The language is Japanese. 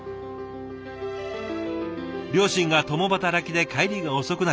両親が共働きで帰りが遅くなる。